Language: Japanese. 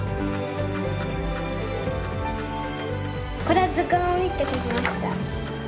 これは図鑑を見て描きました。